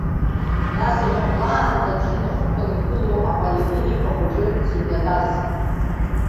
Нас, иахьахәлаанӡа амшын ахықәан игылоу аполиклиника хәыҷы сыҩнатәаз.